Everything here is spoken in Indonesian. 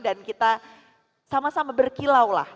kita sama sama berkilau lah